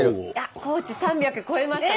高知３００超えましたね。